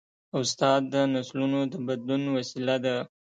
استاد د نسلونو د بدلون وسیله ده.